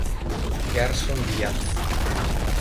Gerson Díaz